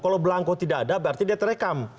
kalau belangko tidak ada berarti dia terekam